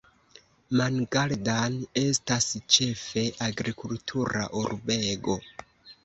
Mangaldan estas ĉefe agrikultura urbego.